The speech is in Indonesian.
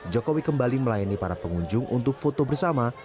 jokowi kembali melayani para pengunjung untuk foto bersama